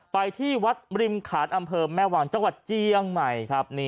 ไปที่วัดริมขานอำเภอแม่วังจังหวัดเจียงใหม่ครับ